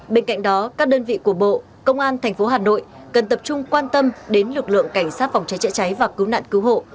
bên cạnh đó các đơn vị của bộ công an tp hà nội cần tập trung quan tâm đến lực lượng cảnh sát phòng cháy chữa cháy và cứu nạn cứu hộ